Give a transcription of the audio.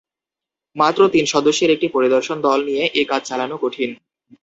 মাত্র তিন সদস্যের একটি পরিদর্শন দল দিয়ে এ কাজ চালানো কঠিন।